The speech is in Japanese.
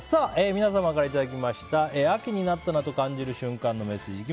皆様からいただきました秋になったなぁと感じる瞬間のメッセージ。